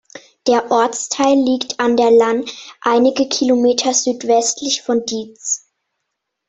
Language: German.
Der Ortsteil liegt an der Lahn, einige Kilometer südwestlich von Diez.